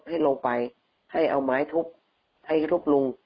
ให้ลงไปให้เอาไม้ทุบให้ทุบลุง